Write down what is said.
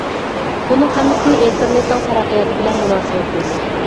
بۇنىڭ ھەممىسى ئىنتېرنېتنىڭ تەرەققىياتى بىلەن مۇناسىۋەتلىك.